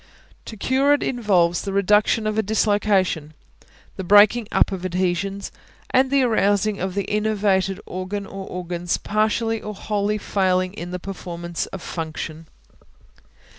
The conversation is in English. To cure it involves the reduction of a dislocation; the breaking up of adhesions, and the arousing of the enervated organ or organs partially or wholly failing in the performance of function.